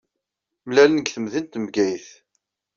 Mlalen deg temdint n Bgayet.